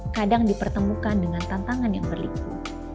kadang dipertemukan dengan tantangan yang berliku